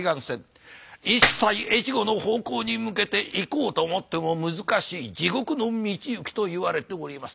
一切越後の方向に向けて行こうと思っても難しい地獄の道行きといわれております。